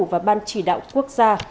và ban chỉ đạo quốc gia